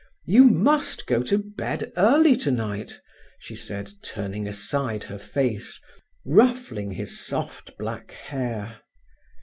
"You must go to bed early tonight," she said, turning aside her face, ruffling his soft black hair.